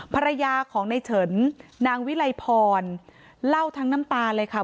ภรรยาของในเฉินนางวิไลพรเล่าทั้งน้ำตาเลยค่ะ